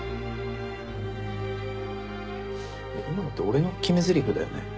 ねぇ今のって俺の決めゼリフだよね？